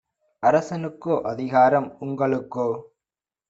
அரசனுக்கோ அதிகாரம் உங்க ளுக்கோ?